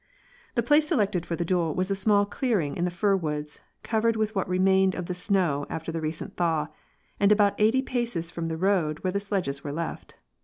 The place selected for the duel was a small clearing in the fir woods, covered with what remained of the snow after the recent thaw, and about eighty paces from the road where the sledges were left.